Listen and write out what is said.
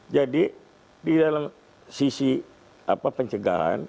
jadi di dalam sisi pencegahan